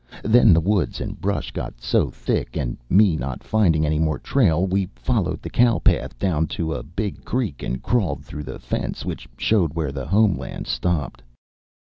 Then the woods and brush got so thick, and me not finding any more trail, we followed the cow path down to a big creek and crawled through the fence which showed where the Home land stopped.